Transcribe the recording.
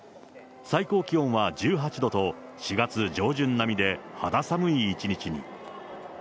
最高気温は１８度と、４月上旬並みで、肌寒い一日に。